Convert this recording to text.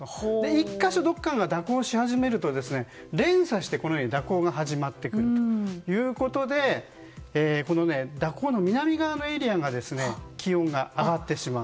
１か所、どこかが蛇行し始めると連鎖して蛇行が始まってくるということで蛇行の南側のエリアが気温が上がってしまう。